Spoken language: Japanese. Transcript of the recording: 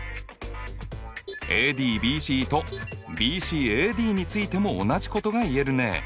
ＡＤＢＣとＢＣＡＤについても同じことが言えるね。